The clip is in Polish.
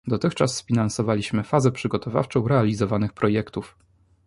Dotychczas sfinansowaliśmy fazę przygotowawczą realizowanych projektów